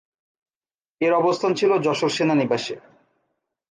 এর অবস্থান ছিল যশোর সেনানিবাসে।